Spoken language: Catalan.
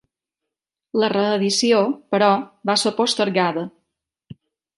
La reedició, però, va ser postergada.